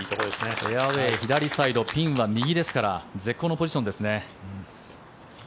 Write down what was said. フェアウェー左サイドピンは右ですから絶好のポジションですね。